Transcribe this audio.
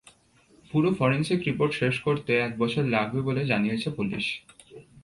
পুরো forensic report শেষ করতে এক বছর লাগবে বলে জানিয়েছে পুলিশ।